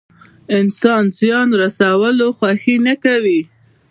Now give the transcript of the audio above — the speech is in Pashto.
انسان زيان رسولو خوښي نه کوي.